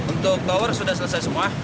untuk tower sudah selesai semua